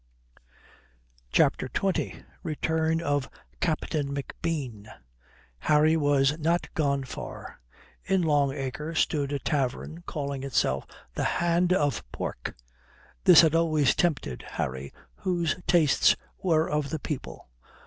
CHAPTER XX RETURN OF CAPTAIN McBEAN Harry was not gone far. In Long Acre stood a tavern calling itself 'The Hand of Pork.' This had always tempted Harry, whose tastes were of the people.